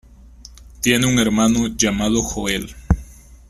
Tiene un hermano llamado Joel.